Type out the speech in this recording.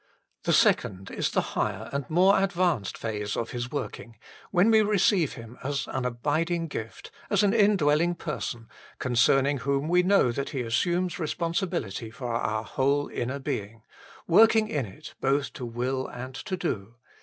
The second is the higher and more advanced phase of His working when we receive Him as an abiding gift, as an indwelling Person, concerning whom we know that He assumes responsibility for our whole inner being, working in it both to will and to do.